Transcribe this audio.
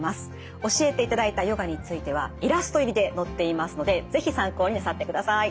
教えていただいたヨガについてはイラスト入りで載っていますので是非参考になさってください。